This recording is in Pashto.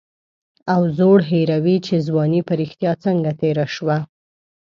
او زوړ هېروي چې ځواني په رښتیا څنګه تېره شوه.